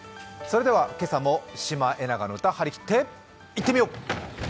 今朝も「シマエナガの歌」、はりきっていってみよう！